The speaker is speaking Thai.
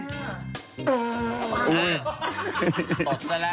ตดแล้วล่ะ